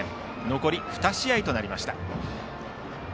残り２試合となりました。